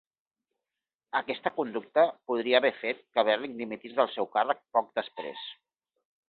Aquesta conducta podria haver fer que Berling dimitís del seu càrrec poc després.